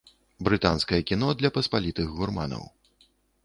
Брытанскае кіно для паспалітых гурманаў.